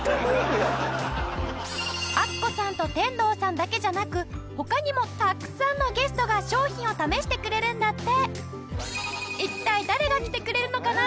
アッコさんと天童さんだけじゃなく他にもたくさんのゲストが商品を試してくれるんだって。